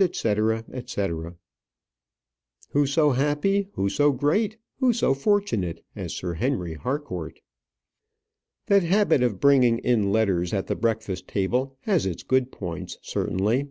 &c., &c. who so happy, who so great, who so fortunate as Sir Henry Harcourt? That habit of bringing in letters at the breakfast table has its good points, certainly.